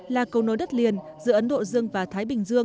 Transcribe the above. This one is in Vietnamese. là cầu nối đất liền giữa ấn độ dương và thái bình dương